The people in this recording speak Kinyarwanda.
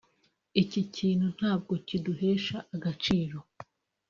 […] Iki kintu ntabwo kiduhesha agaciro